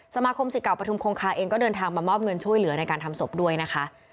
สมาคมสิทธิ์เก่าประทุมคงคาเองก็เดินทางมามอบเงินช่วยเหลือในการทำศพด้วยนะคะ